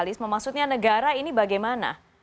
terorisme maksudnya negara ini bagaimana